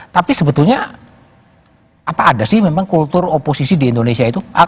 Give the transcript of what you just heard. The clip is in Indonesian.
tapi sebetulnya apa ada sih memang kultur oposisi di indonesia itu